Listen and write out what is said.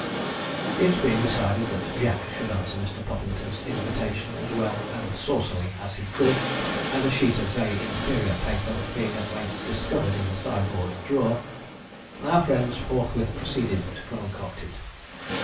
It being decided that Jack should answer Mr. Puffington's invitation as well and saucily as he could, and a sheet of very inferior paper being at length discovered in the sideboard drawer, our friends forthwith proceeded to concoct it.